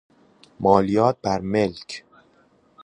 مالیات بر ملک